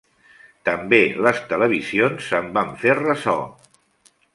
També les televisions se'n van fer ressò.